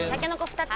２つ！